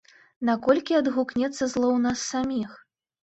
Наколькі адгукнецца зло ў нас саміх?